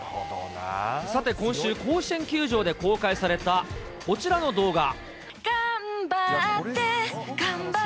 さて、今週、甲子園球場で公開された、こちらの動画。